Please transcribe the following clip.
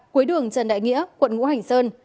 cuối đường trần đại nghĩa quận ngũ hành sơn